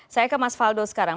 saya ke mas faldo sekarang